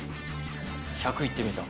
１００いってみた。